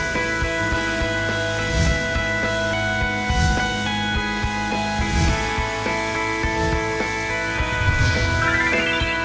โปรดติดตามตอนต่อไป